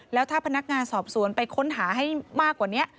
แล้วถ้าพนักงานสอบสวนไปค้นหาให้มากกว่านี้